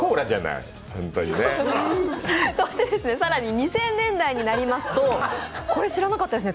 ２０００年代になりますとこれ知らなかったですね